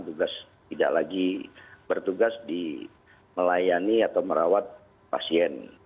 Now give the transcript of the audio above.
tugas tidak lagi bertugas di melayani atau merawat pasien